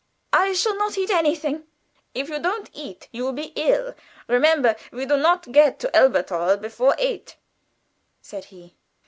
"I shall not eat anything." "If you do not eat, you will be ill. Remember, we do not get to Elberthal before eight," said he.